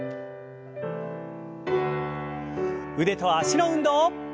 腕と脚の運動。